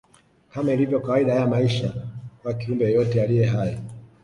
Kama ilivyo kawaida ya maisha kwa kiumbe yeyote aliye hai